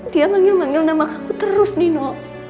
dia manggil manggil nama aku terus nino